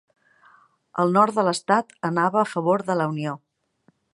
El nord de l'estat anava a favor de la Unió.